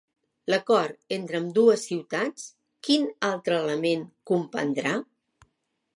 L'acord entre ambdues ciutats, quin altre element comprendrà?